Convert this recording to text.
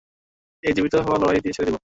এই জীবিত হওয়ার লড়াই ছেড়ে দিবো।